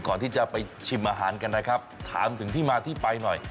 ก่อนที่จะไปชิมอาหารกันนะครับถามถึงที่มาที่ไปหน่อย